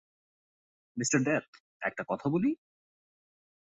Mr death, একটা কথা বলি?